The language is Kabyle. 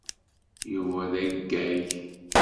Yuba d aggag.